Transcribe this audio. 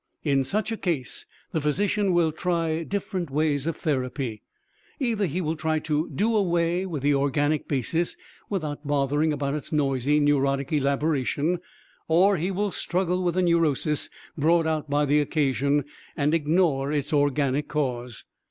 In such a case the physician will try different ways of therapy. Either he will try to do away with the organic basis without bothering about its noisy neurotic elaboration, or he will struggle with the neurosis brought out by the occasion, and ignore its organic cause.